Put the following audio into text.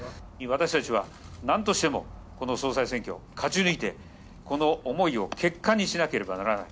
私たちはなんとしても、この総裁選挙、勝ち抜いて、この思いを結果にしなければならない。